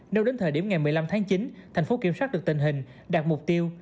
nếu đến thời điểm ngày một mươi năm tháng chín thành phố kiểm soát được tình hình đạt mục tiêu